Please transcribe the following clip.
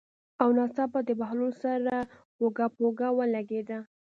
او ناڅاپه د بهلول سره اوږه په اوږه ولګېده.